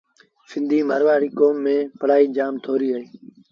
سنڌيٚ مورآڻيٚ ڪوم ميݩ پڙهآئيٚ جآم ٿوريٚ اهي